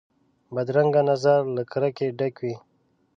بدرنګه نظر له کرکې ډک وي